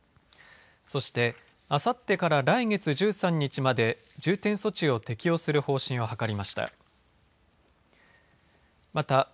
そして、あさってから来月１３日まで重点措置を適用する方針を諮りました。